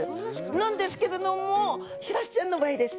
なんですけれどもシラスちゃんの場合です。